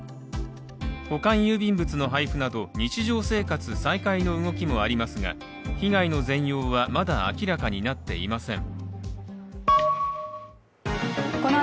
保管郵便物の配布など日常生活再開の動きもありますが被害の全容はまだ明らかになっていません。